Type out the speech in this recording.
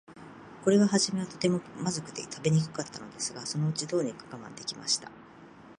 これははじめは、とても、まずくて食べにくかったのですが、そのうちに、どうにか我慢できました。